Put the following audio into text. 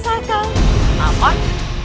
sama di perkosa kang